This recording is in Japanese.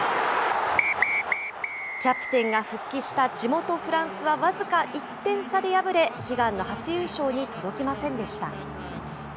キャプテンが復帰した地元フランスは僅か１点差で敗れ、悲願の初優勝に届きませんでした。